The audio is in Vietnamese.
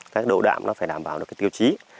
cái độ đạm nó phải đảm bảo được tiêu chí